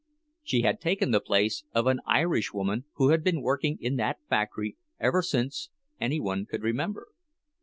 She had taken the place of an Irishwoman who had been working in that factory ever since any one could remember.